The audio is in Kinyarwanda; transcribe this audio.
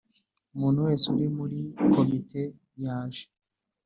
Umuntu wese uri muri Komite yaje